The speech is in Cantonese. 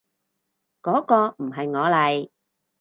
嗰個唔係我嚟